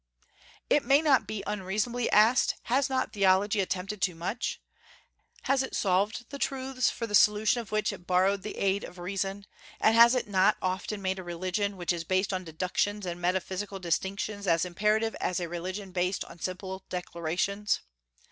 It may not unreasonably be asked, Has not theology attempted too much? Has it solved the truths for the solution of which it borrowed the aid of reason, and has it not often made a religion which is based on deductions and metaphysical distinctions as imperative as a religion based on simple declarations?